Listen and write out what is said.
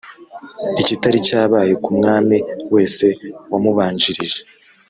ikitari cyabaye ku mwami wese wamubanjirije.